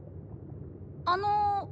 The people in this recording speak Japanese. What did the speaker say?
あの？